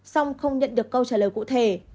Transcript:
xong không nhận được câu trả lời